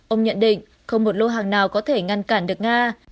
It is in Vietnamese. ông nhận định không một lô hàng nào có thể ngăn cản được nga